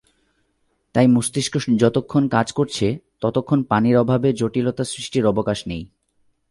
তাই মস্তিষ্ক যতক্ষণ কাজ করছে, ততক্ষণ পানির অভাবে জটিলতা সৃষ্টির অবকাশ নেই।